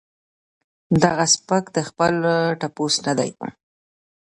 دغه سپک د خپل تپوس نۀ دي